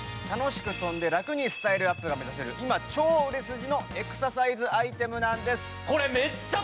楽しく飛んで楽にスタイルアップが目指せる今超売れ筋のエクササイズアイテムなんです。